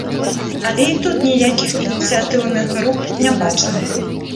Але і тут ніякіх ініцыятыўных груп не бачна.